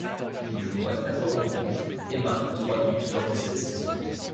Il joue vingt-quatre rencontres et marque trois buts lors de cette saison.